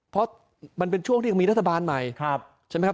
เพราะเป็นพอมีรัฐบาลใหม่